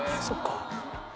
そっか。